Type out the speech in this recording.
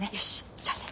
じゃあね。